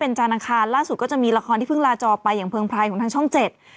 จานอังคารล่าสุดก็จะมีละครที่เพิ่งลาจอไปอย่างเพลิงพลายของทางช่องเจ็ด